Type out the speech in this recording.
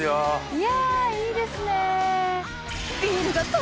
いやいいですね！